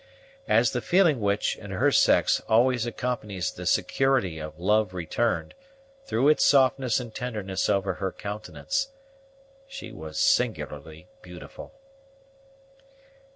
As the feeling which, in her sex, always accompanies the security of love returned, threw its softness and tenderness over her countenance, she was singularly beautiful.